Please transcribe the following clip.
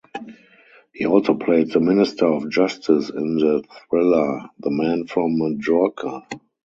He also played the Minister of Justice in the thriller "The Man from Majorca".